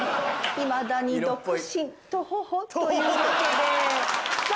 いまだに独身トホホというわけで。